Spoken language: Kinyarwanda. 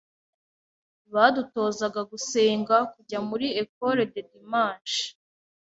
Badutozaga gusenga, kujya muri Ecole de Dimanche,